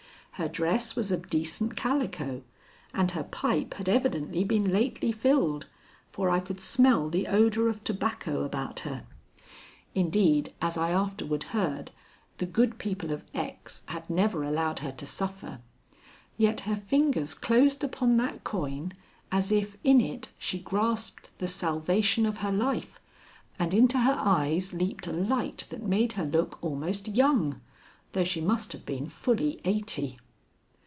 Her dress was of decent calico, and her pipe had evidently been lately filled, for I could smell the odor of tobacco about her. Indeed, as I afterward heard, the good people of X. had never allowed her to suffer. Yet her fingers closed upon that coin as if in it she grasped the salvation of her life, and into her eyes leaped a light that made her look almost young, though she must have been fully eighty.